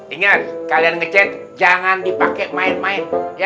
ingat kalian ngecat jangan dipake main main ya